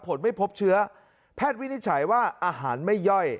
ผลไม่พบเชื้อแพทย์วินิจฉัยว่าอาหารไม่ย่อย